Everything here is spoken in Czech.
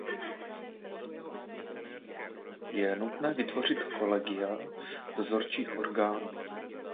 Je nutné vytvořit kolegia dozorčích orgánů.